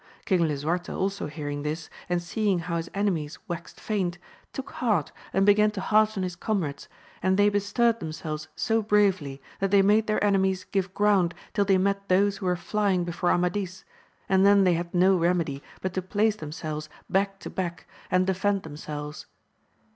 King Lisuarte also hearing this, and seeing how his enemies waxed faint, took heart, and began to hearten his comrades ; and they bestirred themselves so bravely, that they made their enemies give ground till they met those who were flying before Amadis, and then they had no remedy but to place themselves back to back, and 234 AMADIS OF GAUL. defend themselves.